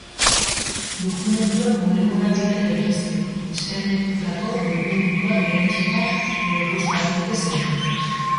Dokumentuak bulegora bidal daitezke, eskaneatutako dokumentuak erantsita edo posta arruntez ere.